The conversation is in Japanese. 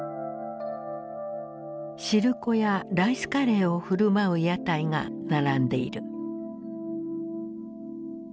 汁粉やライスカレーを振る舞う屋台が並んでいる。